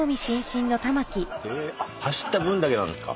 走った分だけなんですか？